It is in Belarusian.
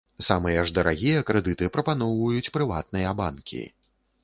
Самыя ж дарагія крэдыты прапаноўваюць прыватныя банкі.